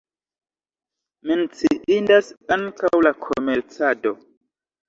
Menciindas ankaŭ la komercado.